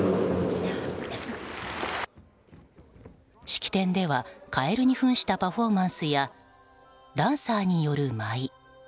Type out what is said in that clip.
式典では、カエルに扮したパフォーマンスやダンサーによる舞い。